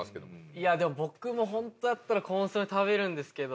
いやでも僕もホントだったらコンソメ食べるんですけど。